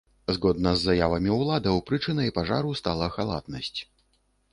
Згодна з заявамі ўладаў, прычынай пажару стала халатнасць.